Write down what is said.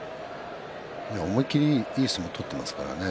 思い切りのいい相撲を取っていますからね。